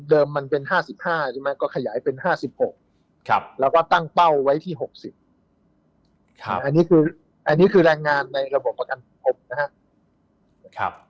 เดิมมันเป็น๕๕ก็ขยายเป็น๕๖แล้วก็ตั้งเป้าไว้ที่๖๐อันนี้คือแรงงานในระบบประกันสังคมนะฮะ